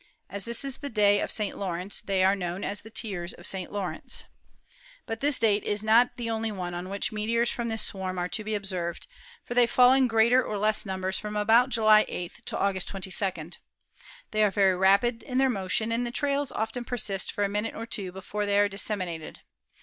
As this is the day of Saint Lawrence, they are known as the "tears of Saint Lawrence/' But this date is not the only one on which meteors from this swarm are to be observed, for they fall in greater or less numbers from about July 8th to August 22d. They are very rapid in their motion and the trails often persist for a minute or two before they are dissemi nated.